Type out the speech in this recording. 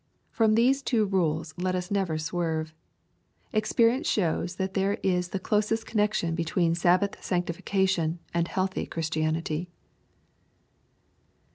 From these two rules let us never swerve. Ex perience shows that there is the closest connection be tween Sabhath sanctification and healthy Chiistianity.